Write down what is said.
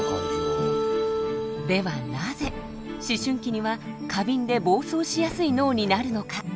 ではなぜ思春期には過敏で暴走しやすい脳になるのか。